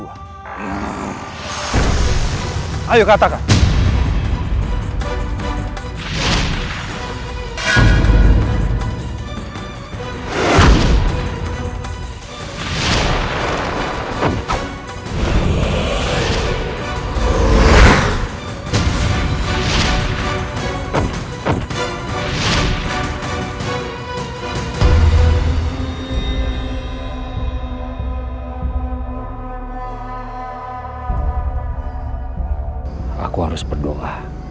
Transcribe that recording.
aku harus berdoa